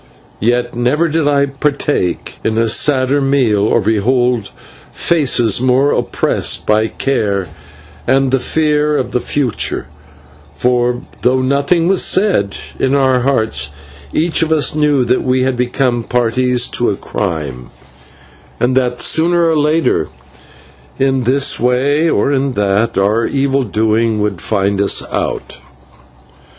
Yet never did I partake of a sadder meal, or behold faces more oppressed by care and the fear of the future; for, though nothing was said, in our hearts each of us knew that we had become parties to a crime, and that sooner or later, in this way or in that, our evil doing would find us out.